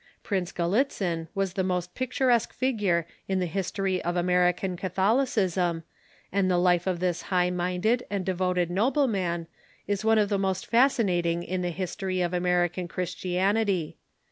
Prince Gallitzin is the most picturesque figure in the history of Amer ican Catholicism, and the life of this high minded and devoted nobleman is one of the most fascinating in the history of American Christianity.